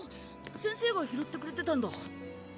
先生が拾ってくれてたんだ。